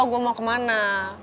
gue mau kemana